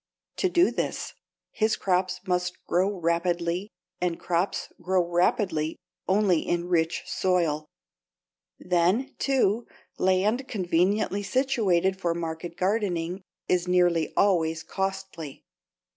To do this, his crops must grow rapidly, and crops grow rapidly only in rich soil. Then, too, land conveniently situated for market gardening is nearly always costly.